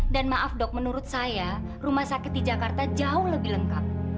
dan maaf dok menurut saya rumah sakit di jakarta jauh lebih lengkap